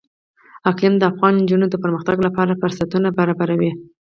اقلیم د افغان نجونو د پرمختګ لپاره فرصتونه برابروي.